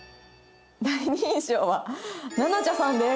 「第二印象はなな茶さんです」